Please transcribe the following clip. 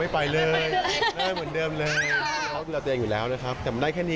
พี่ย่าไม่ไป